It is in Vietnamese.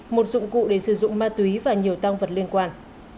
một dụng cụ để sử dụng ma túy và nhiều tăng vật liên quan